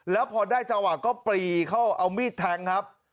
แล้วพอได้จังหวะก็ปรีเข้าเอามีดแทงครับ